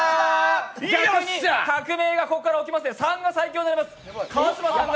革命がここで起きまして３が最強になります。